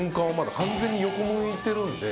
完全に横を向いてるんで。